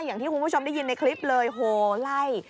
อย่างที่คุณผู้ชมได้ยินในคลิปเลยโหไล่